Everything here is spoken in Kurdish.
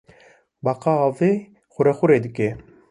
Beqa avê qurequrê dike.